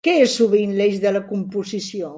Què és sovint l'eix de la composició?